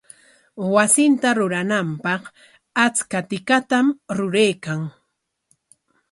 Wasinta rurananpaq achka tikatam ruraykan.